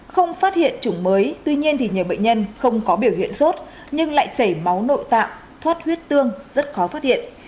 không phát hiện chủng mới tuy nhiên thì nhiều bệnh nhân không có biểu hiện sốt nhưng lại chảy máu nội tạm thoát huyết tương rất khó phát hiện